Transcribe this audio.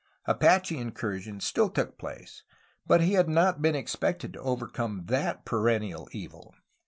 Apache incursions still took place, but he had not been expected to overcome that perennial evil.